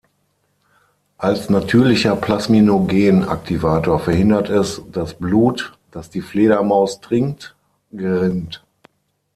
Als natürlicher Plasminogen-Aktivator verhindert es, dass Blut, das die Fledermaus trinkt, gerinnt.